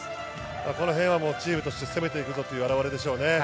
この辺はもうチームとして攻めていくっていうことの表れでしょうね。